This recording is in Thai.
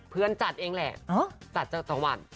เพื่อนจัดเองแหละจัดเจ้าสังวัน